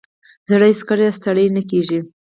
زړه هیڅکله ستړی نه کېږي.